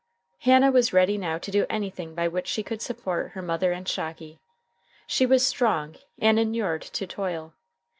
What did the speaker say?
Hannah was ready now to do anything by which she could support her mother and Shocky. She was strong, and inured to toil.